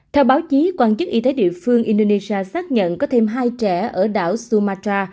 theo báo chí quan chức y tế địa phương indonesia xác nhận có thêm hai trẻ ở đảo sumatra